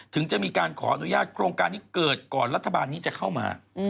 ถึงจะมีการขออนุญาตโครงการนี้เกิดก่อนรัฐบาลนี้จะเข้ามา